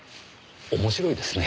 面白いですね。